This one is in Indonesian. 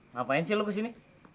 ngapain sih lo kesini